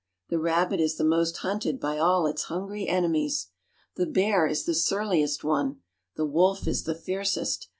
The rabbit is the most hunted by all its hungry enemies. The bear is the surliest one. The wolf is the fiercest.